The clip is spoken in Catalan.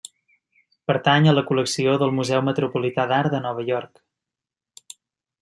Pertany a la col·lecció del Museu Metropolità d'Art de Nova York.